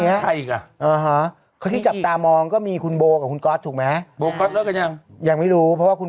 ยังไม่มีแต่เลิกแล้ว